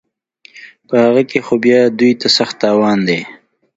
په هغه کې خو بیا دوی ته سخت تاوان دی